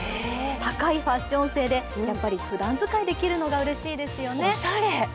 高いファッション性でやっぱりふだん使いで着れるのがうれしいですよね。